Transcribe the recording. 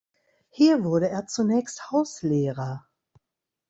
Hier wurde er zunächst Hauslehrer.